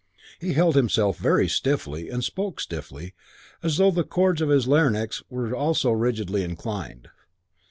He held himself very stiffly and spoke stiffly as though the cords of his larynx were also rigidly inclined.